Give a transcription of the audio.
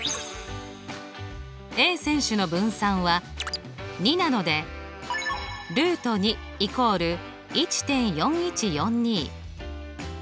Ａ選手の分散は２なのでルート２＝１．４１４２。